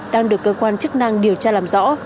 đang được cơ quan chức năng điều tra làm rõ